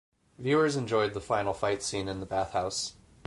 Viewers enjoyed the final fight scene in the bathhouse.